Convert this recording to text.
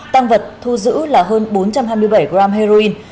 tăng vật thu giữ là hơn bốn trăm hai mươi bảy gram heroin